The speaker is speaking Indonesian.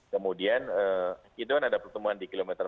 kemudian itu ada pertemuan di kilometer empat puluh delapan